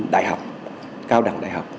đại học cao đẳng đại học